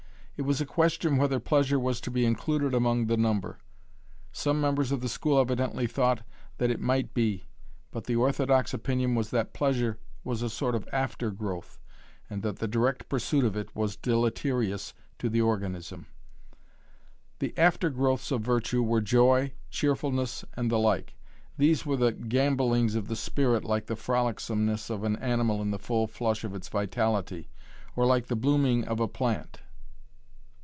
It was a question whether pleasure was to be included among the number. Some members of the school evidently thought that it might be, but the orthodox opinion was that pleasure was a sort of aftergrowth and that the direct pursuit of it was deleterious to the organism. The after growths of virtue were joy, cheerfulness, and the like. These were the gambolings of the spirit like the frolicsomeness of an animal in the full flush of its vitality or like the blooming of a plant.